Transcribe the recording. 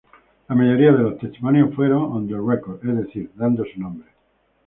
La mayoría de los testimonios fueron "on the record", es decir, dando su nombre.